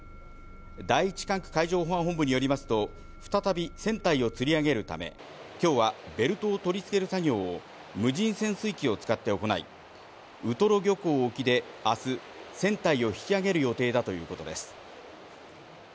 第一管区海上保安本部によりますと、再び船体を吊り上げるため、今日はベルトを取り付ける作業を無人潜水機を使って行い、ウトロ漁港沖で明日、船体を引き揚げる予定だということです。